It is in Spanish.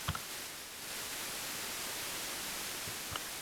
En ese largometraje, los actores tenían que vivir y no representar.